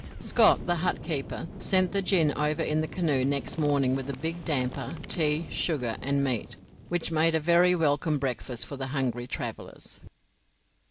Scott, the hut keeper, sent the gin over in the canoe next morning with a big damper, tea, sugar, and meat, which made a very welcome breakfast for the hungry travellers.